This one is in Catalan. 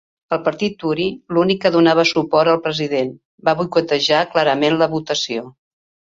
El partit Uri, l'únic que donava suport al president, va boicotejar clarament la votació.